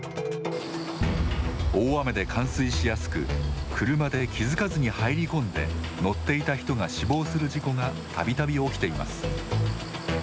大雨で冠水しやすく車で気付かずに入り込んで乗っていた人が死亡する事故がたびたび起きています。